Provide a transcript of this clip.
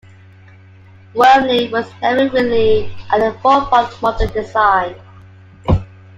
Wormley was never really at the forefront of Modern design.